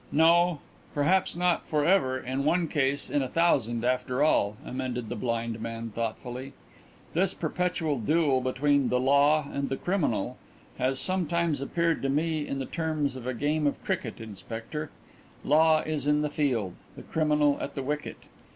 "No; perhaps not 'for ever' in one case in a thousand, after all," amended the blind man thoughtfully. "This perpetual duel between the Law and the Criminal has sometimes appeared to me in the terms of a game of cricket, inspector. Law is in the field; the Criminal at the wicket.